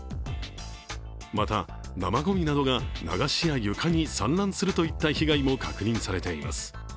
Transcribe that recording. また、生ごみなどが流しや床に散乱するといった被害も確認されています。